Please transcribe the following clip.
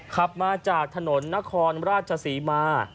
ขับมาจากถนนนครราชศรีมา